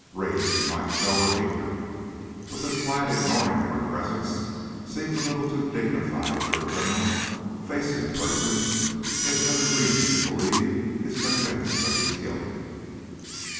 Rage he might show or hatred, but this quiet ignoring of her presence seems a little too dignified for a criminal facing a person he has every reason to believe is convinced of his guilt."